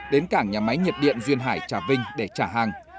đến cảng nhà máy nhiệt điện duyên hải trà vinh để trả hàng